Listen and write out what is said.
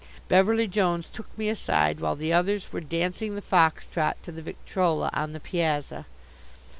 Beverly Jones took me aside while the others were dancing the fox trot to the victrola on the piazza.